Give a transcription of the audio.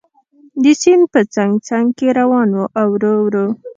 د سیند په څنګ څنګ کې روان و او ورو ورو.